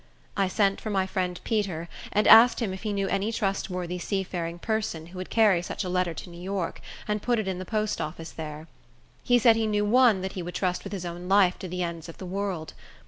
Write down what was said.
I sent for my friend Peter, and asked him if he knew any trustworthy seafaring person, who would carry such a letter to New York, and put it in the post office there. He said he knew one that he would trust with his own life to the ends of the world.